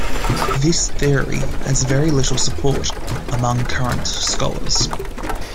This theory has very little support among current scholars.